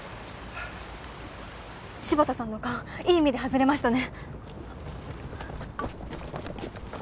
柴田さんの勘いい意味で外れましたね！